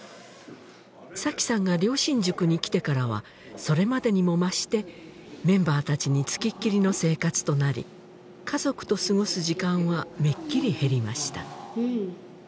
紗妃さんが良心塾に来てからはそれまでにも増してメンバーたちにつきっきりの生活となり家族とすごす時間はめっきり減りました